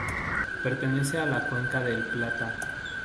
Pertenece a la Cuenca del Plata.